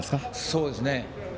そうですね。